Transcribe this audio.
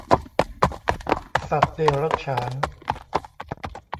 สัตว์เดรัจฉาน